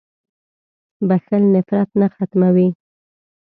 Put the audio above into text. • بخښل نفرت ختموي.